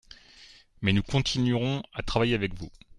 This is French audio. mais nous continuerons à travailler avec vous